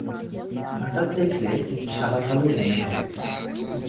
হঠাৎ দেখলে সাদা-কালোই মনে হবে।